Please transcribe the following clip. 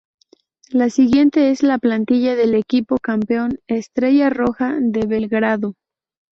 La siguiente es la plantilla del equipo campeón, Estrella Roja de Belgrado.